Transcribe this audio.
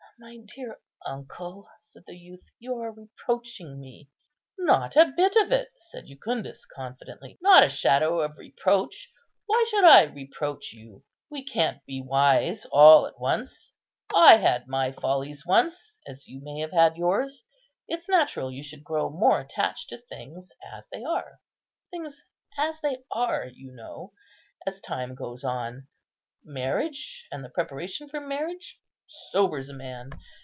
"My dear uncle," said the youth, "you are reproaching me." "Not a bit of it," said Jucundus, confidently, "not a shadow of reproach; why should I reproach you? We can't be wise all at once; I had my follies once, as you may have had yours. It's natural you should grow more attached to things as they are,—things as they are, you know,—as time goes on. Marriage, and the preparation for marriage, sobers a man.